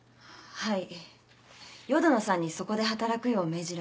はい。